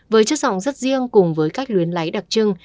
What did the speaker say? với chất giọng rất riêng cùng với các luyến lấy đặc trưng